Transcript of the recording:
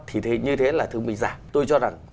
thì như thế là thương minh giảm tôi cho rằng